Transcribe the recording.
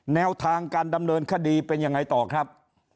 แนวทางการดำเนินคดีเป็นยังไงต่อครับ